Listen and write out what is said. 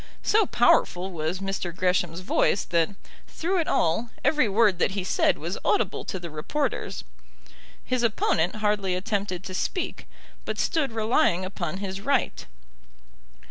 So powerful was Mr. Gresham's voice that, through it all, every word that he said was audible to the reporters. His opponent hardly attempted to speak, but stood relying upon his right.